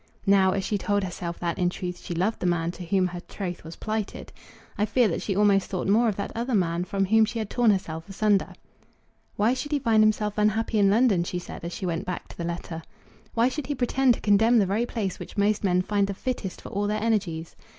Now, as she told herself that in truth she loved the man to whom her troth was plighted, I fear that she almost thought more of that other man from whom she had torn herself asunder. "Why should he find himself unhappy in London?" she said, as she went back to the letter. "Why should he pretend to condemn the very place which most men find the fittest for all their energies?